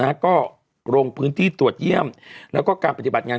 ก็ลงพื้นที่ตรวจเยี่ยมแล้วก็การปฏิบัติงาน